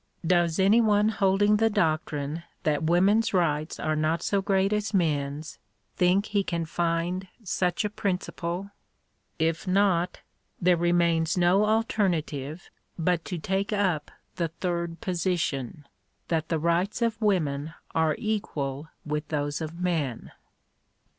Does any one holding the doctrine that women's rights are not so great as men's, think he can find such a principle ? If not, there remains no alternative but to take up the third position — that the rights of women are equal with those of men.